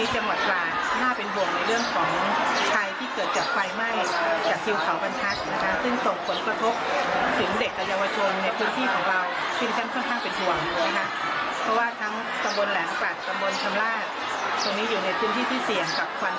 ตอนนี้เรามีโรงเรียน๓แผงและในช่วงนี้เจมส์หวัดหลากน่าเป็นห่วงในเรื่องของไทยที่เกิดจากไฟไหม้กับฮิวเขาบรรทักซึ่งตกผลกระทบถึงเด็กและเยาวชนในพื้นที่ของเราซึ่งกันค่อนข้างเป็นห่วง